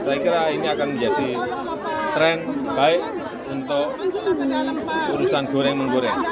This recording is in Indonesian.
saya kira ini akan menjadi tren baik untuk urusan goreng menggoreng